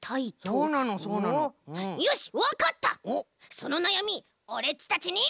そのなやみオレっちたちに。